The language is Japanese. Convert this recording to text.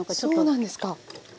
そうなんですか。